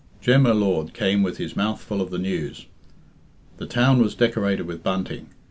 Jem y Lord came with his mouth full of news. The town was decorated with bunting.